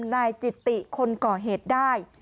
นายจิตติคนก่อเหตุได้